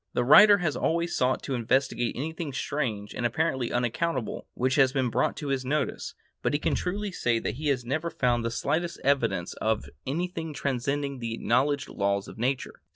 The writer has always sought to investigate anything strange and apparently unaccountable which has been brought to his notice, but he can truly say he has never found the slightest evidence of anything transcending the acknowledged laws of nature.